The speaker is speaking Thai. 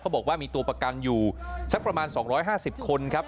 เขาบอกว่ามีตัวประกันอยู่สักประมาณสองร้อยห้าสิบคนครับ